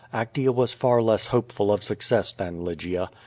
Actea was far less hopeful of success than Lygia.